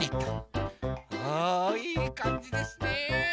あいいかんじですね。